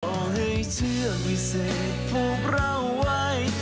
บอกให้เชื่อไม่เสร็จพวกเราไว้